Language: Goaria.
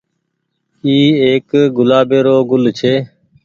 اي ايڪ گلآبي رو گل ڇي۔